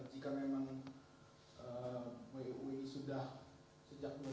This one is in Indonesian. jika memang wu ini sudah sejak dua ribu dua